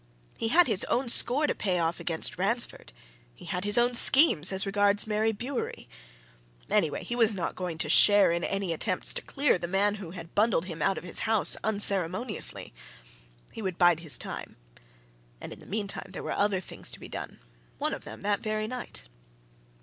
He had his own score to pay off against Ransford; he had his own schemes as regards Mary Bewery. Anyway, he was not going to share in any attempts to clear the man who had bundled him out of his house unceremoniously he would bide his time. And in the meantime there were other things to be done one of them that very night.